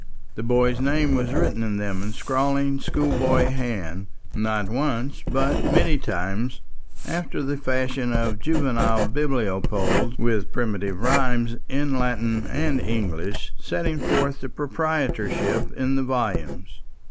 The boy's name was written in them in a scrawling schoolboy hand; not once, but many times, after the fashion of juvenile bibliopoles, with primitive rhymes in Latin and English setting forth his proprietorship in the volumes.